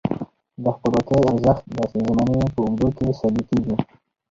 د خپلواکۍ ارزښت د زمانې په اوږدو کې ثابتیږي.